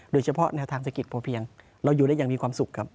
โดยเฉพาะแนวทางเศรษฐกิจพอเพียงเราอยู่ได้อย่างมีความสุขครับ